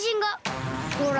ほら。